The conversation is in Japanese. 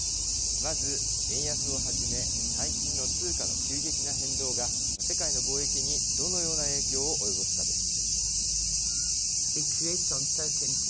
まず円安をはじめ、最近の通貨の急激な変動が、世界の貿易にどのような影響を及ぼすかです。